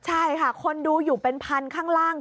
ใช่ค่ะคนดูอยู่เป็นพันข้างล่าง